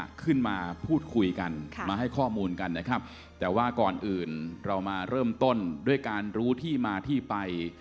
ก็ขึ้นมาพูดคุยกันค่ะมาให้ข้อมูลกันนะครับแต่ว่าก่อนอื่นเรามาเริ่มต้นด้วยการรู้ที่มาที่ไป